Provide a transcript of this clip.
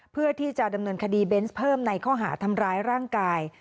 เพื่อที่จะดำเนินคดีเบนส์เพิ่มในข้อหาทำร้ายร่างกาย